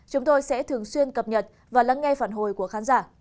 chúng tôi sẽ thường xuyên cập nhật và lắng nghe phản hồi của khán giả